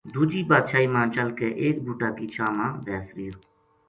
دوجی بادشاہی ما چل کے ایک بوٹا کی چھاں ما بیس رہیو